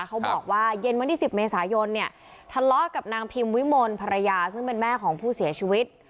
เขาบอกว่าเย็นวันที่๑๐เมษายนเนี่ยทะเลาะกับนางพิมวิมลภรรยาซึ่งเป็นแม่ของผู้เสียชีวิต